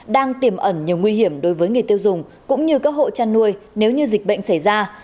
đang tiềm ẩn nhiều nguy hiểm đối với người tiêu dùng cũng như các hộ chăn nuôi nếu như dịch bệnh xảy ra